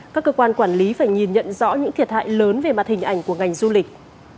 các cơ quan quản lý phải nhìn nhận rõ những thiệt hại lớn về mặt hình ảnh của ngành du lịch